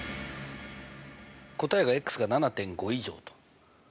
答えがが７．５以上と。